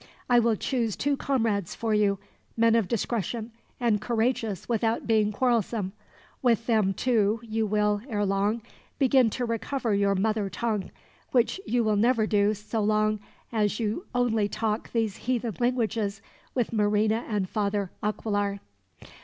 I will choose two comrades for you; men of discretion, and courageous without being quarrelsome. With them, too, you will, ere long, begin to recover your mother tongue; which you will never do, so long as you only talk these heathen languages with Marina and Father Aquilar."